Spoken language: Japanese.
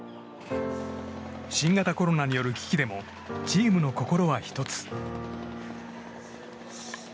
新型コロナによる危機でもチームの心は１つ。